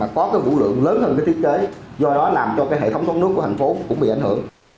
có vũ lượng lớn hơn thiết kế do đó làm cho hệ thống thoát nước của tp hcm cũng bị ảnh hưởng